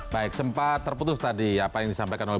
baik sempat terputus tadi apa yang disampaikan oleh